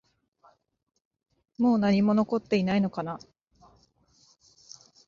もう何も残っていないのかな？